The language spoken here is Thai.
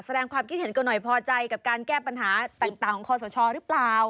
แสดงความคิดเห็นกันหน่อยพอใจกับการแก้ปัญหาต่างของคอสชหรือเปล่า